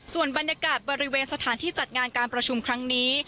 ส่วนบรรยากาศบริเวณสถานที่จัดงานการประชุมครั้งนี้